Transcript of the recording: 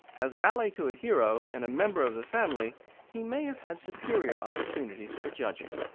As valet to a hero, and a member of the family, he may have had superior opportunities for judging.